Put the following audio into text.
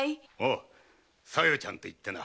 “小夜ちゃん”といってな。